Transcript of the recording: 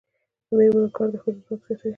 د میرمنو کار د ښځو واک زیاتوي.